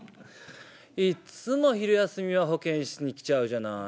いっつも昼休みは保健室に来ちゃうじゃない。